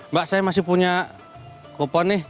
mbak saya masih punya kupon nih